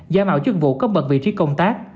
giả mạo chức vụ cấp bật vị trí công tác